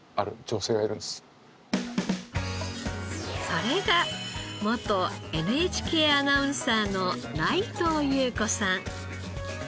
それが元ＮＨＫアナウンサーの内藤裕子さん。